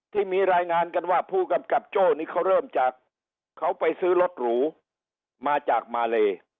ที่มีรายงานกันว่าผู้กำกับโจ้นี่เขาเริ่มจากเขาไปซื้อรถหรูมาจากมาเล